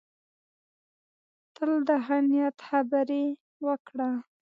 تل د ښه نیت خبرې وکړه.